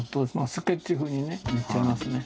スケッチ風にね塗っちゃいますね。